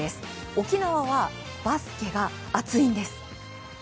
沖縄はバスケが熱いんです。